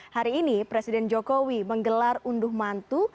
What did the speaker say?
hari ini presiden jokowi menggelar unduh mantu